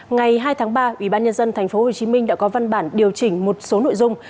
ngày hai tháng ba ubnd tp hcm đã có văn bản điều chỉnh một số nội dung